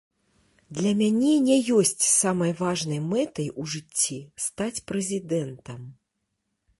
Для мяне не ёсць самай важнай мэтай у жыцці стаць прэзідэнтам.